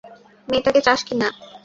মেয়েটাকে চাস কি না?